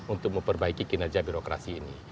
untuk memperbaiki kinerja birokrasi ini